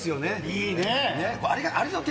いいね。